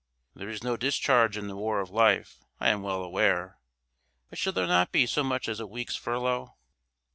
There is no discharge in the war of life, I am well aware; but shall there not be so much as a week's furlough?